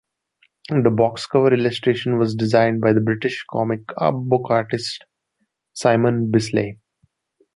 The box cover illustration was designed by the British comic book artist Simon Bisley.